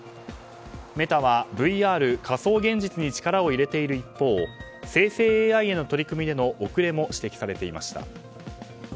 メタはＶＲ・仮想現実に力を入れている一方生成ＡＩへの取り組みでの遅れも指摘されていました。